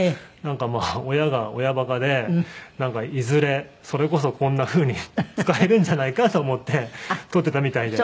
親が親馬鹿でなんかいずれそれこそこんなふうに使えるんじゃないかと思って取ってたみたいで。